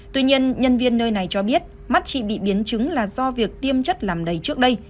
tuy nhiên nhân viên nơi này cho biết mắt chị bị biến chứng là do việc tiêm chất làm đầy trước đây